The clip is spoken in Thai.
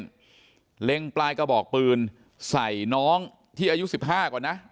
เล็งปลายกระบอกปืนใส่น้องที่อายุ๑๕ก่อนนะ